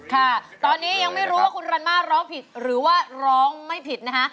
ค่ะตอนนี้ยังไม่รู้ว่าคุณรันมาร้องผิดหรือว่าร้องไม่ผิดนะคะ